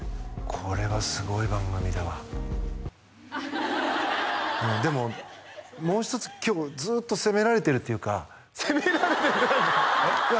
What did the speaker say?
これはすごい番組だわでももう一つ今日ずっと責められてるっていうか責められてないですいや